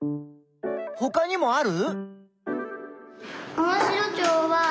ほかにもある？